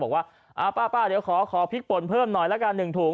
บอกว่าอ่าป้าเดี๋ยวขอขอพลิกผลเพิ่มหน่อยละกันหนึ่งถุง